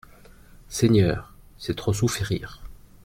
Seigneur, c'est trop souffrir.